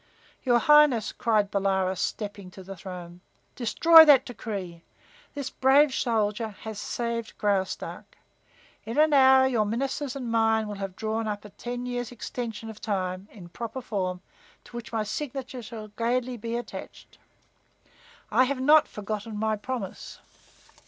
"Your Highness," cried Bolaroz, stepping to the throne, "destroy that decree. This brave soldier has saved Graustark. In an hour your ministers and mine will have drawn up a ten Tears' extension of time, in proper form, to which my signature shall be gladly attached. I have not forgotten my promise."